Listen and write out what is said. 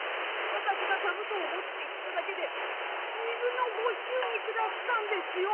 私が座布団を持っていっただけで２分のご祝儀下すったんですよ！」。